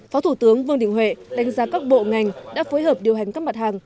phó thủ tướng vương đình huệ đánh giá các bộ ngành đã phối hợp điều hành các mặt hàng